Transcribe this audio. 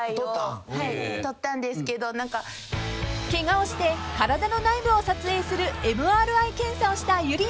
［ケガをして体の内部を撮影するＭＲＩ検査をしたゆりやんさん］